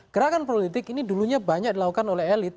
gerakan politik ini dulunya banyak dilakukan oleh elit